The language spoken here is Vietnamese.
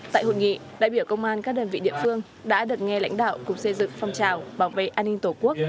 tại hội nghị đại biểu công an các đơn vị địa phương đã được nghe lãnh đạo cục xây dựng phong trào bảo vệ an ninh tổ quốc